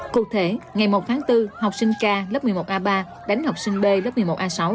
cụ thể ngày một tháng bốn học sinh ca lớp một mươi một a ba đánh học sinh b lớp một mươi một a sáu